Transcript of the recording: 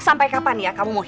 sampai kapan ya kamu mau